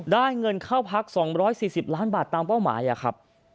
ได้เงินเข้าพัก๒๔๐ล้านบาทตามเป้าหมายครับ